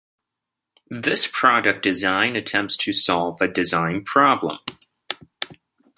This product design attempts to solve a design problem.